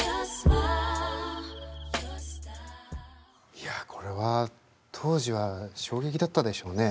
いやこれは当時は衝撃だったでしょうね。